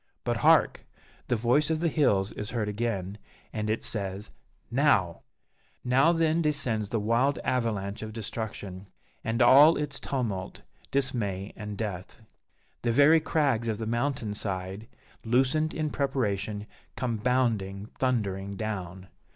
But hark! the voice of the hills is heard again, and it says "Now!" Now, then, descends the wild avalanche of destruction, and all is tumult, dismay, and death. The very crags of the mountain side, loosened in preparation, come bounding, thundering down.